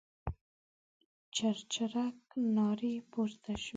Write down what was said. چرچرک نارې پورته شوې.